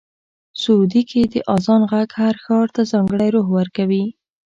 سعودي کې د اذان غږ هر ښار ته ځانګړی روح ورکوي.